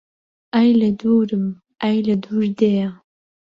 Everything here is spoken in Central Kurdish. ئای لە دوورم ئای لە دوور دێیا